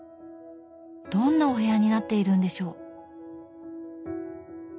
どんなお部屋になっているんでしょう。